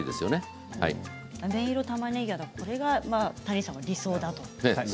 あめ色たまねぎはこれが谷さんの理想だと。